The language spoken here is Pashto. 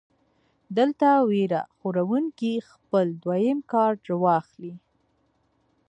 دلته وېره خوروونکے خپل دويم کارډ راواخلي -